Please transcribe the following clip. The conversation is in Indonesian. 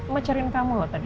emang cari kamu tadi